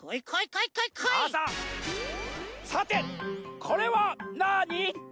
さてこれはなに？